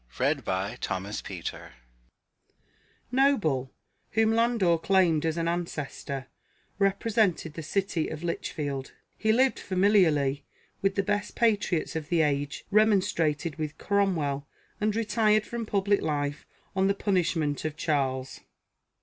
[Noble, whom Landor claimed as an ancestor, represented the city of Lichfield : he lived familiarly with the best patriots of the age, remonstrated with Cromwell, and retired from public life on the punishment of Charles.